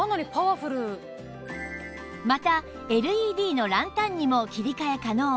また ＬＥＤ のランタンにも切り替え可能